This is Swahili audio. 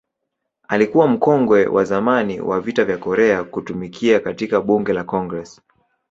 Alikuwa mkongwe wa zamani wa Vita vya Korea kutumikia katika Bunge la Congress.